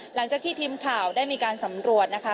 หลังจากที่ทีมข่าวได้มีการสำรวจนะคะ